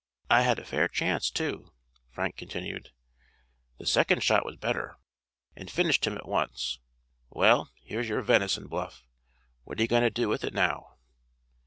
I had a fair chance, too," Frank continued. "The second shot was better, and finished him at once. Well, here's your venison, Bluff. What are you going to do with it now?"